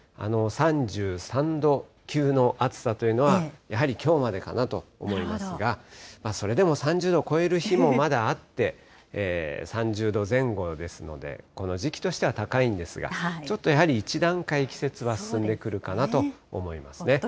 ３３度級の暑さというのは、やはりきょうまでかなと思いますが、それでも３０度を超える日もまだあって、３０度前後ですので、この時期としては高いんですが、ちょっとやはり１段階、季節は進んでくるかなと思いますね。